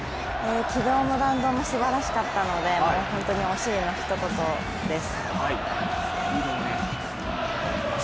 軌道も弾道もすばらしかったので、本当に惜しいの一言です。